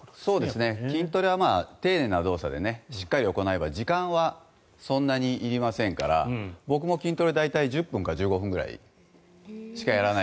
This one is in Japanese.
筋トレは丁寧な動作でしっかり行えば時間はそんなにいりませんから僕も筋トレ、大体１０分から１５分くらいしかやらない。